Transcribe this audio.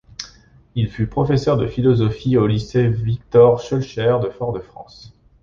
Il fut professeur de philosophie au lycée Victor-Schœlcher de Fort-de-France.